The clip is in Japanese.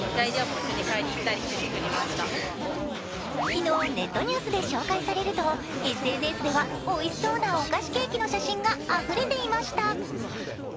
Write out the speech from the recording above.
昨日、ネットニュースで紹介されると、ＳＮＳではおいしそうなお菓子ケーキの写真があふれていました。